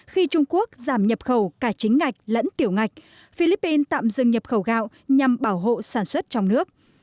khi trung quốc giảm nhập khẩu cả chính ngạch lẫn tiểu ngạch philippines tạm dừng nhập khẩu gạo nhằm bảo hộ sản xuất trong nước